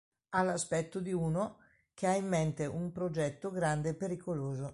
Ha l'aspetto di uno che ha in mente un progetto grande e pericoloso.